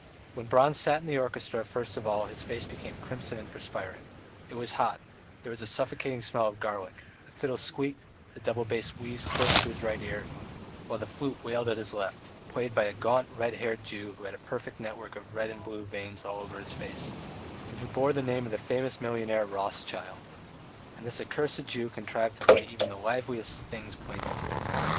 When Bronze sat in the orchestra first of all his face became crimson and perspiring; it was hot, there was a suffocating smell of garlic, the fiddle squeaked, the double bass wheezed close to his right ear, while the flute wailed at his left, played by a gaunt, red haired Jew who had a perfect network of red and blue veins all over his face, and who bore the name of the famous millionaire Rothschild. And this accursed Jew contrived to play even the liveliest things plaintively.